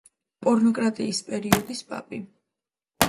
პორნოკრატიის პერიოდის პაპი.